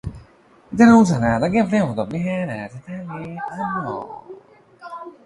The rules and gameplay of Mehen are entirely unknown.